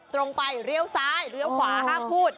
ตรงไปเลี้ยวซ้ายเลี้ยวขวาห้ามพูด